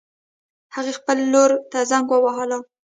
هغې خپل لور ته زنګ ووهله